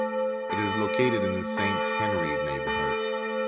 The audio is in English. It is located in the Saint-Henri neighbourhood.